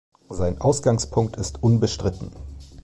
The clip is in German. Sein Ausgangspunkt ist unbestritten.